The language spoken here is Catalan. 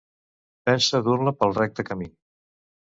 Pensa dur-la pel recte camí.